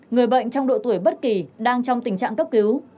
người bệnh trong độ tuổi bất kỳ đang trong tình trạng cấp cứu